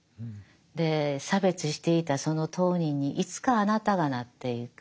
で差別していたその当人にいつかあなたがなっていく。